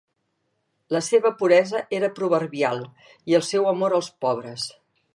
La seva puresa era proverbial, i el seu amor als pobres.